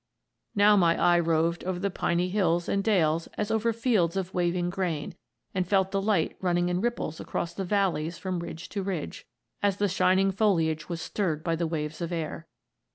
"Now my eye roved over the piny hills and dales as over fields of waving grain, and felt the light running in ripples across the valleys from ridge to ridge, as the shining foliage was stirred by the waves of air.